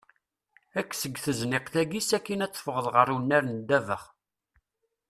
Ekk seg tezniqt-agi ssakin af teffeɣḍ ɣer unnar n ddabex.